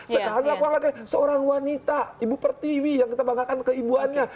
sekarang lakukan lagi seorang wanita ibu pertiwi yang kita banggakan keibuannya